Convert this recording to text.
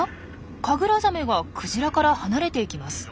カグラザメがクジラから離れていきます。